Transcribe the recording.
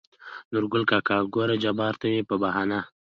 نورګل کاکا: ګوره جباره ته مې په بهانه